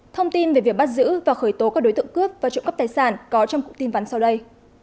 thông tin về việc bắt giữ và khởi tố các đối tượng cướp và trộm cắp tài sản có trong cụm tin vắn sau đây